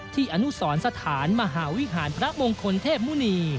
อนุสรสถานมหาวิหารพระมงคลเทพมุณี